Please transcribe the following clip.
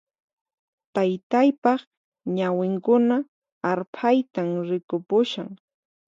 Taytaypaq ñawinkuna arphaytan rikupushan